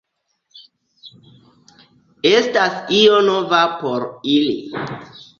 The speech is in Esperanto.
Estas io nova por ili.